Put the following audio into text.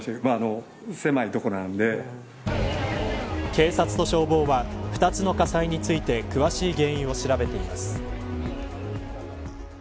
警察と消防は２つの火災について詳しい原因を調べています。